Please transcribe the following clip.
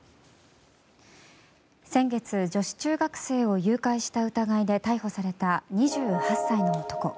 先月、女子中学生を誘拐した疑いで逮捕された２８歳の男。